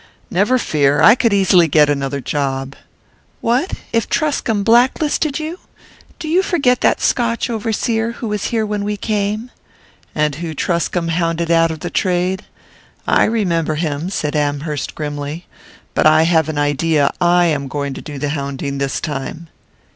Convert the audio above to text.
"Never fear; I could easily get another job " "What? If Truscomb black listed you? Do you forget that Scotch overseer who was here when we came?" "And whom Truscomb hounded out of the trade? I remember him," said Amherst grimly; "but I have an idea I am going to do the hounding this time."